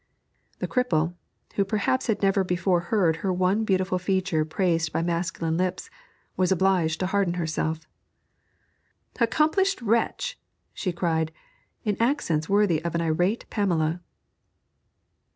The cripple, who perhaps had never before heard her one beautiful feature praised by masculine lips, was obliged to harden herself. 'Accomplished wretch!' she cried, in accents worthy of an irate Pamela.